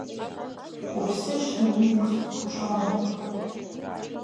Уԥсыҽны уи ус уҽаумҭароуп.